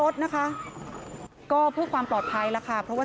โชว์บ้านในพื้นที่เขารู้สึกยังไงกับเรื่องที่เกิดขึ้น